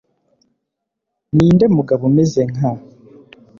ni nde mugabo umeze nka